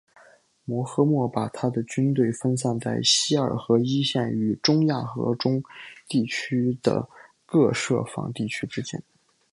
摩诃末把他的军队分散在锡尔河一线与中亚河中地区的各设防地区之间。